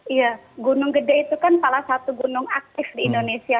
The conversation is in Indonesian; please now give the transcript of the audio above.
iya gunung gede itu kan salah satu gunung aktif di indonesia